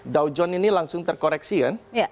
dow john ini langsung terkoreksi kan